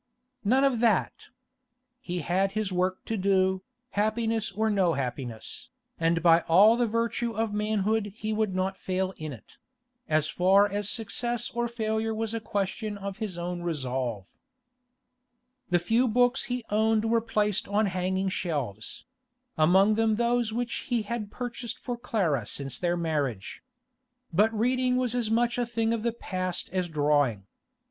None of that! He had his work to do, happiness or no happiness, and by all the virtue of manhood he would not fail in it—as far as success or failure was a question of his own resolve. The few books he owned were placed on hanging shelves; among them those which he had purchased for Clara since their marriage. But reading was as much a thing of the past as drawing.